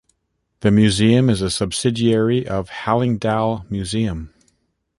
The museum is a subsidiary of Hallingdal Museum.